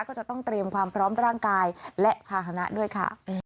ก็จะต้องเตรียมความพร้อมร่างกายและภาษณะด้วยค่ะ